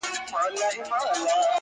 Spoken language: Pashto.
• وینا نه وه بلکه غپا یې کوله -